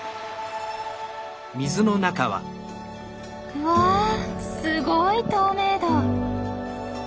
うわすごい透明度！